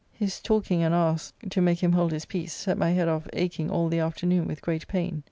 His talking and ours to make him hold his peace set my head off akeing all the afternoon with great pain.